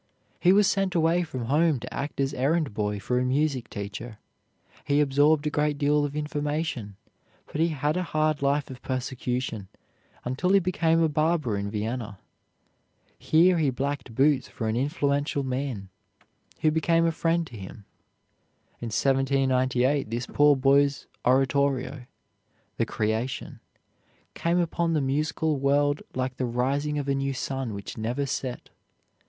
He was sent away from home to act as errand boy for a music teacher. He absorbed a great deal of information, but he had a hard life of persecution until he became a barber in Vienna. Here he blacked boots for an influential man, who became a friend to him. In 1798 this poor boy's oratorio, "The Creation," came upon the musical world like the rising of a new sun which never set.